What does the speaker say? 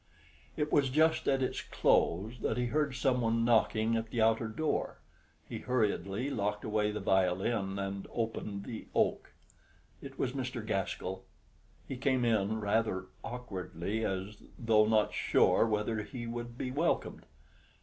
It was just at its close that he heard some one knocking at the outer door. He hurriedly locked away the violin and opened the "oak." It was Mr. Gaskell. He came in rather awkwardly, as though not sure whether he would be welcomed.